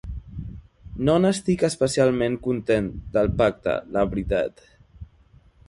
No n’estic especialment content, del pacte, la veritat.